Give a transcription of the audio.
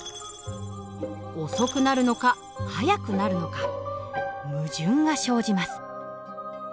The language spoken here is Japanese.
遅くなるのか速くなるのか矛盾が生じます。